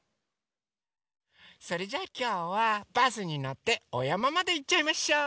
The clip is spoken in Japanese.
それじゃあきょうはバスにのっておやままでいっちゃいましょう！